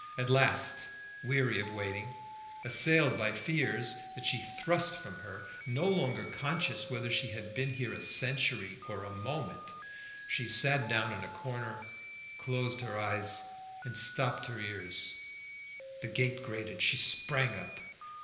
At last, weary of waiting, assailed by fears that she thrust from her, no longer conscious whether she had been here a century or a moment, she sat down in a corner, closed her eyes, and stopped her ears. The gate grated; she sprang up.